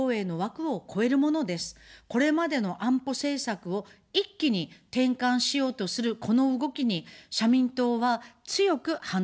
これまでの安保政策を一気に転換しようとするこの動きに、社民党は強く反対します。